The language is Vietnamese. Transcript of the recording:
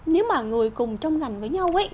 nếu mà người cùng trong ngành với nhau ấy